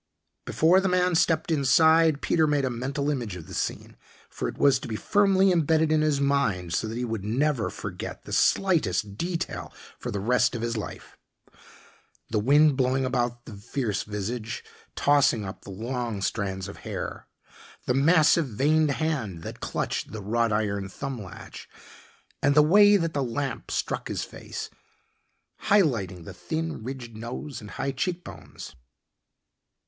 Before the man stepped inside, Peter made a mental image of the scene, for it was to be firmly imbedded in his mind so that he would never forget the slightest detail for the rest of his life the wind blowing about the fierce visage, tossing up the long strands of hair; the massive, veined hand that clutched the wrought iron thumb latch, and the way that the lamp struck his face, highlighting the thin, ridged nose and high cheekbones.